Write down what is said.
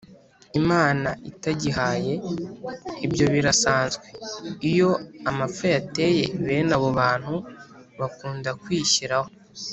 imana itagihaye. ibyo birasanzwe: iyo amapfa yateye, bene abo bantu bakunda kwishyiraho.